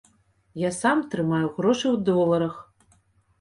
Я сам трымаю грошы ў доларах.